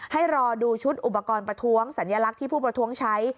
ให้รอดูชุดอุปกรณ์ประท้วงสัญลักษณ์ที่ผู้ประท้วงใช้